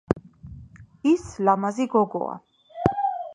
ის ლამაზი გოგოა